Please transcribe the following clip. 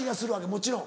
もちろん。